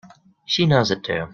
She knows it too!